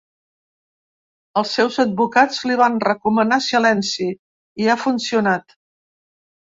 Els seus advocats li van recomanar silenci, i ha funcionat.